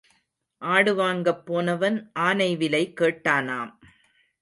ஆடு வாங்கப் போனவன் ஆனை விலை கேட்டானாம்.